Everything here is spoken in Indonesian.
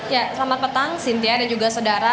selamat petang sintia dan juga saudara